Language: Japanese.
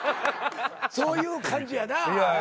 そういう感じやなぁ。